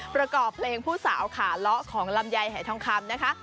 ประกอบเพลงผู้สาวขาเลาะของลำไยหายทองคำนะคะ